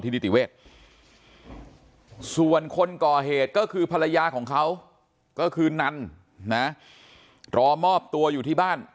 นิติเวศส่วนคนก่อเหตุก็คือภรรยาของเขาก็คือนันนะรอมอบตัวอยู่ที่บ้าน